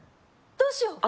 どうしよう